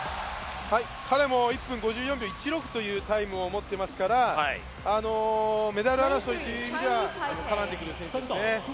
彼も１分５４秒１６というタイムを持っていますからメダル争いという意味では絡んでくる選手ですね。